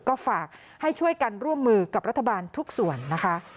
ก็ฝากให้ช่วยกันร่วมมือกับรัฐบาลทุกส่วนนะคะ